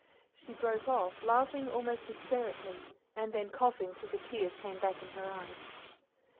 She broke off, laughing almost hysterically, and then coughing till the tears came back in her eyes.